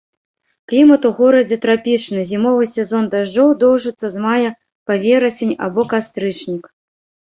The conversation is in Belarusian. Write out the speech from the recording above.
Клімат у горадзе трапічны, зімовы сезон дажджоў доўжыцца з мая па верасень або кастрычнік.